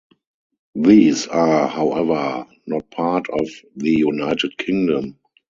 These are however not part of the United Kingdom.